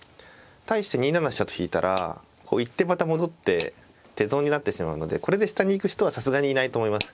対して２七飛車と引いたら行ってまた戻って手損になってしまうのでこれで下に行く人はさすがにいないと思います。